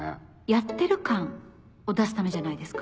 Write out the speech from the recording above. やってる感を出すためじゃないですか。